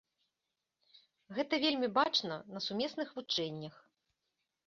Гэта вельмі бачна на сумесных вучэннях.